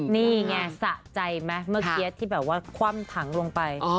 นี่ไงสะใจไหมเมื่อกี้ที่แบบว่าคว่ำถังลงไป